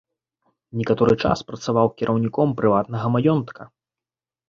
Некаторы час працаваў кіраўніком прыватнага маёнтка.